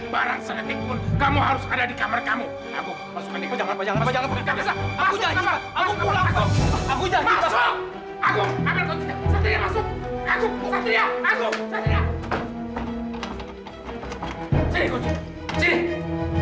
baru juga kakap kakap